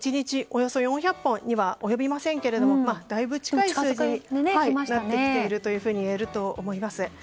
およそ４００本には及びませんけれどもだいぶ近い数字になってきているといえると思います。